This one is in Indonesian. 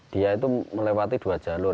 dia itu melewati dua jalur